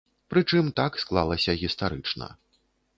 Прычым так склалася гістарычна.